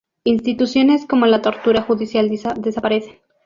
Instituciones como la tortura judicial desaparecen.